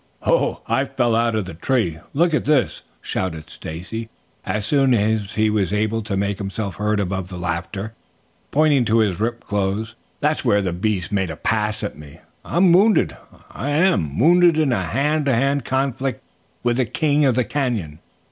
"Oh, I fell out of the tree. Look at this!" shouted Stacy as soon as he was able to make himself heard above the laughter, pointing to his ripped clothes. "That's where the beast made a pass at me. I'm wounded, I am; wounded in a hand to hand conflict with the king of the canyon.